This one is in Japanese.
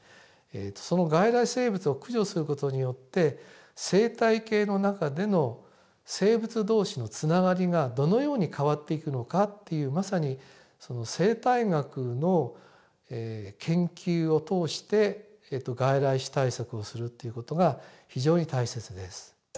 その外来生物を駆除する事によって生態系の中での生物同士のつながりがどのように変わっていくのかっていうまさに生態学の研究を通して外来種対策をするっていう事が非常に大切です。